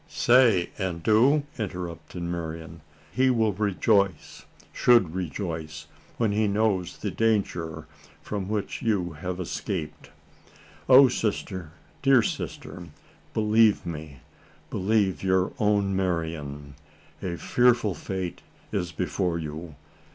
"Say and do?" interrupted Marian. "He will rejoice should rejoice when he knows the danger from which you have escaped. O sister! dear sister! believe me believe your own Marian! A fearful fate is before you.